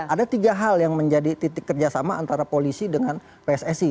ada tiga hal yang menjadi titik kerjasama antara polisi dengan pssi